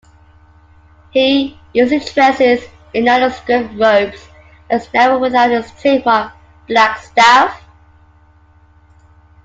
He usually dresses in nondescript robes and is never without his trademark "blackstaff".